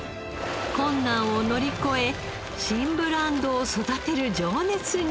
困難を乗り越え新ブランドを育てる情熱に迫ります。